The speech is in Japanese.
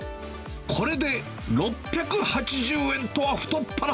これで６８０円とは太っ腹。